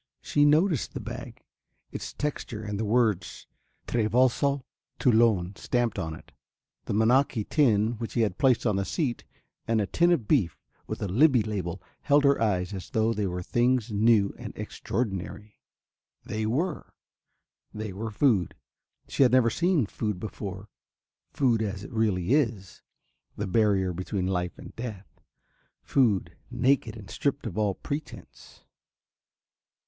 She noticed the bag, its texture, and the words "Traversal Toulon" stamped on it. The maconochie tin which he had placed on a seat and a tin of beef with a Libby label held her eyes as though they were things new and extraordinary. They were. They were food. She had never seen food before, food as it really is, the barrier between life and death, food naked and stripped of all pretence.